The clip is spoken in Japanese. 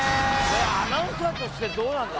アナウンサーとしてどうなんだ？